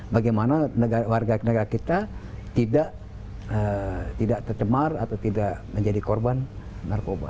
bagaimana warga negara kita tidak tercemar atau tidak menjadi korban narkoba